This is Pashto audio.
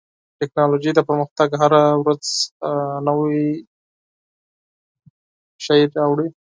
د ټکنالوژۍ پرمختګ هره ورځ نوی څیز راوړي.